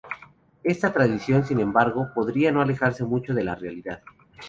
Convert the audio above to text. Esta tradición, sin embargo, podría no alejarse mucho de la realidad.